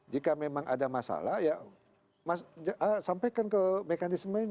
jika memang ada masalah ya sampaikan ke mekanisme ini